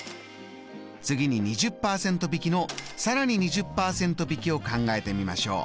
次に２０％引きのさらに２０％引きを考えてみましょう。